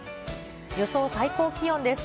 予想最高気温です。